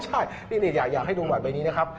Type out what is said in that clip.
ใช่นี่อยากให้ดูบัตรใบนี้นะครับ